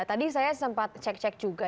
tadi saya sempat cek cek juga